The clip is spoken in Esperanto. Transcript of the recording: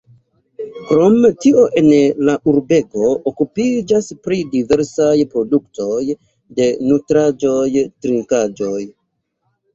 Krom tio en la urbego okupiĝas pri diversaj produktoj de nutraĵoj, trinkaĵoj.